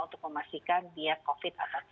untuk memastikan dia covid atau